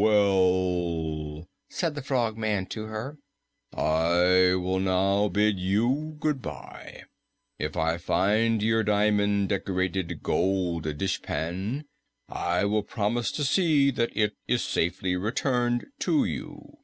"Well," said the Frogman to her, "I will now bid you goodbye. If I find your diamond decorated gold dishpan, I will promise to see that it is safely returned to you."